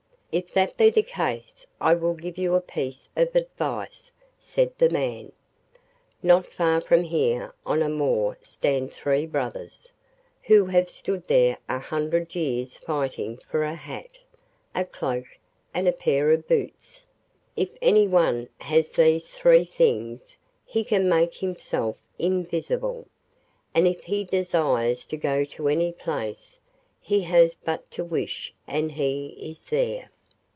'If that be the case I will give you a piece of advice,' said the man. 'Not far from here on a moor stand three brothers, who have stood there a hundred years fighting for a hat, a cloak, and a pair of boots; if any one has these three things he can make himself invisible, and if he desires to go to any place, he has but to wish and he is there.